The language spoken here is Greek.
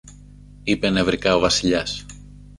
είπε νευρικά ο Βασιλιάς.